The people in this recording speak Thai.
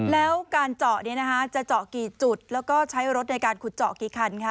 แล้วการเจาะจะเจาะกี่จุดแล้วก็ใช้รถในการขุดเจาะกี่คันคะ